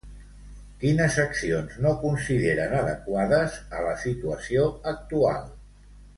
Quines accions no consideren adequades a la situació actual?